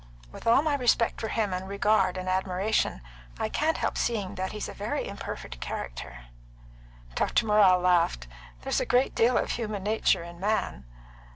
With all my respect for him and regard and admiration, I can't help seeing that he's a very imperfect character." Doctor Morrell laughed. "There's a great deal of human nature in man."